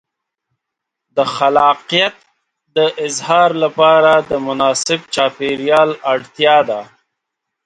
د خلاقیت د اظهار لپاره د مناسب چاپېریال اړتیا ده.